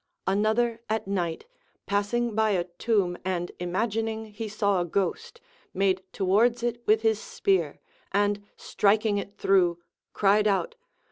Another at night passnig by a tomb and imagining he saw a ghost, made towards it with his spear, and striking it through cried out.